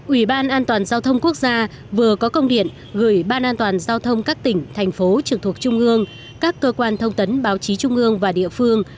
ủy ban an toàn giao thông quốc gia vừa có công điện gửi ban an toàn giao thông các tỉnh thành phố trực thuộc trung ương các cơ quan thông tấn báo chí trung ương và địa phương